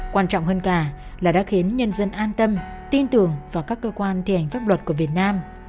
quan trọng hơn cả là đã khiến nhân dân an tâm tin tưởng vào các cơ quan thi hành pháp luật của việt nam